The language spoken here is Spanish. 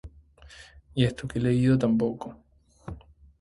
La construcción del edificio de la Johnson Wax creó controversias al arquitecto.